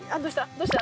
どうした？